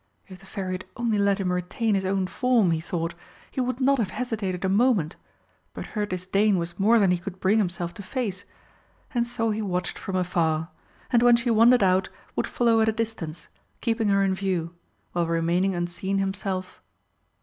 If the Fairy had only let him retain his own form, he thought, he would not have hesitated a moment, but her disdain was more than he could bring himself to face, and so he watched from afar, and when she wandered out would follow at a distance, keeping her in view, while remaining unseen himself.